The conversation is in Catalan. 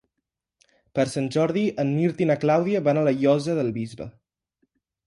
Per Sant Jordi en Mirt i na Clàudia van a la Llosa del Bisbe.